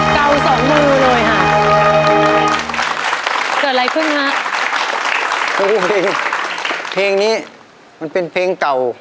เก่าสองมือเลยค่ะเกิดอะไรขึ้นฮะดูเพลงเพลงนี้มันเป็นเพลงเก่า